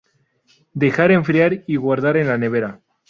Dejar enfriar y guardar en la nevera.